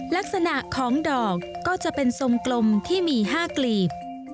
ลักษณะของดอกก็จะเป็นทรงกลมที่มี๕กลีบ